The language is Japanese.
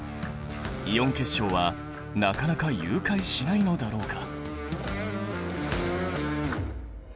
イオン結晶はなかなか融解しないのだろうか。